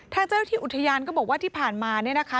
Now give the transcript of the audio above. ท่าเจ้าหน้าที่อุทยานก็บอกว่าที่ผ่านมานี่นะคะ